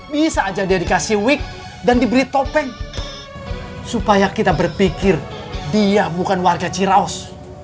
bisa aja dia dikasih week dan diberi topeng supaya kita berpikir dia bukan warga ciraus